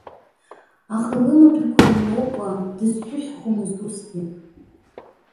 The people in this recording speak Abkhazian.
Аха лымаҭәақәа лмоукәа дызҳәыҳәхомызт усгьы.